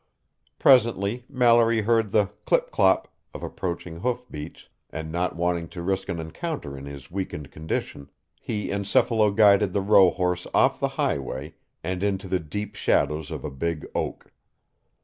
Presently Mallory heard the clip clop of approaching hoofbeats, and not wanting to risk an encounter in his weakened condition, he encephalo guided the rohorse off the highway and into the deep shadows of a big oak.